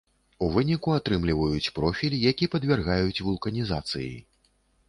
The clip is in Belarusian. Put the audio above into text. У выніку атрымліваюць профіль, які падвяргаюць вулканізацыі.